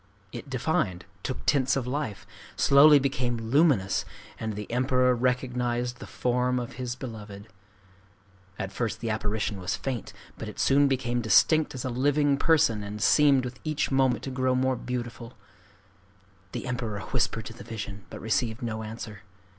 It defined, took tints of life, slowly became luminous, and the Emperor recognized the form of his beloved At first the apparition was faint; but it soon became distinct as a living person, and seemed with each moment to grow more beautiful. The Emperor whispered to the vision, but received no answer.